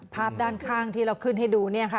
ภาพด้านข้างที่เราขึ้นให้ดู